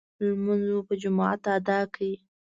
لمونځ مو په جماعت ادا کړ.